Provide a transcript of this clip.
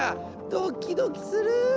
ドキドキする！